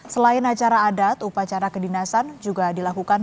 selain acara adat upacara kedinasan juga dilakukan